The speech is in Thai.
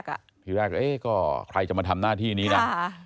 ทีแรกเอ๊ะก็ใครจะมาทำหน้าที่นี้นะ